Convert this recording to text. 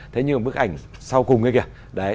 thế nhưng mà bức ảnh sau cùng kia kìa